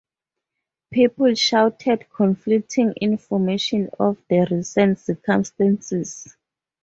People shouted conflicting information of the recent circumstances.